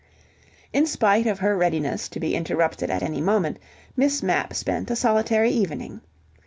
In spite of her readiness to be interrupted at any moment, Miss Mapp spent a solitary evening.